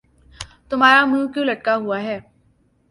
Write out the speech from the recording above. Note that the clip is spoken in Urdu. تمہارا منہ کیوں لٹکا ہوا ہے